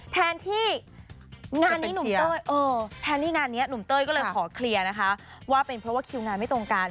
แทนที่งานนี้หนุ่มเต้ยแทนที่งานนี้หนุ่มเต้ยก็เลยขอเคลียร์นะคะว่าเป็นเพราะว่าคิวงานไม่ตรงกัน